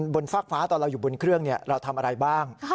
ฟากฟ้าตอนเราอยู่บนเครื่องเราทำอะไรบ้าง